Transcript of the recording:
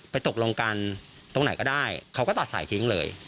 ตกลงกันตรงไหนก็ได้เขาก็ตัดสายทิ้งเลย